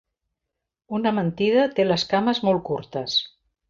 Una mentida té les cames molt curtes.